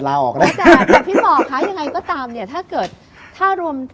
คุณพี่บอกค่ะยังไงก็ตามถ้าเกิด